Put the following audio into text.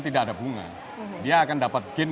tidak ada bunga dia akan dapat gain